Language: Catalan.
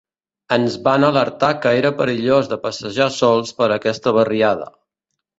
Ens van alertar que era perillós de passejar sols per aquella barriada.